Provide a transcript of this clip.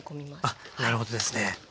あっなるほどですね。